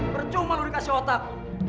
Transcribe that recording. bercuma lo dikasih otak